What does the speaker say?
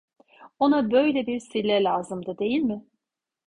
Ona böyle bir sille lazımdı, değil mi?